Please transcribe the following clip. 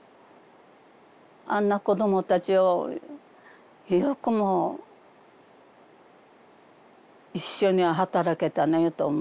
あんな子どもたちをよくも一緒に働けたねと思う。